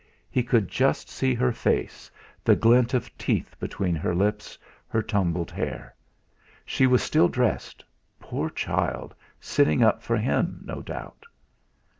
He could just see her face, the glint of teeth between her lips, her tumbled hair. She was still dressed poor child, sitting up for him, no doubt!